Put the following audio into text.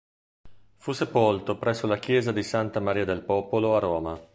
Fu sepolto presso la chiesa di Santa Maria del Popolo a Roma.